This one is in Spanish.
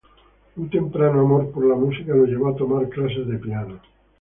Un temprano amor por la música lo llevó a tomar clases de piano.